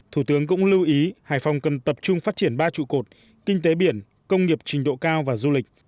thủ tướng cũng lưu ý hải phòng cần tập trung phát triển ba trụ cột kinh tế biển công nghiệp trình độ cao và du lịch